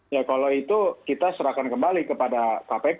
ya kalau itu kita serahkan kembali kepada kpk